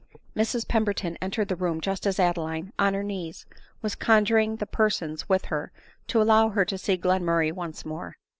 Mrs Pemberton entered the room just as Adeline, on her knees, was conjuring the persons with her to allow her to see Glenmurray once more.